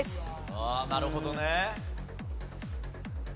ああなるほどね。